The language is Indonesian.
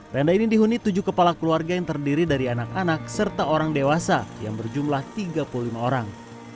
tenda ini dihuni tujuh kepala keluarga yang terdiri dari anak anak serta orang dewasa yang berjumlah tiga puluh lima orang